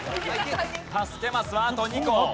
助けマスはあと２個。